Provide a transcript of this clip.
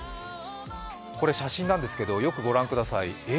これ、写真なんですけど、よくご覧ください。え？